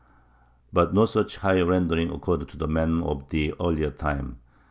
] But no such higher rendering occurred to the men of the earlier time.